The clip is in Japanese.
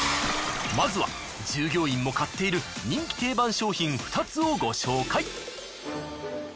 まずは従業員も買っている人気定番商品２つをご紹介。